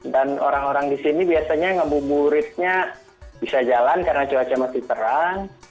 dan orang orang di sini biasanya gabu buritnya bisa jalan karena cuaca masih terang